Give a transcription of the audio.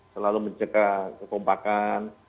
selalu menjaga kekompakan